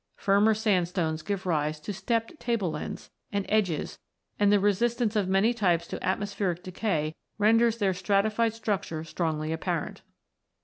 Firmer sand stones give rise to stepped table lands and " edges," and the resistance of many types to atmospheric decay renders their stratified structure strongly ap parent.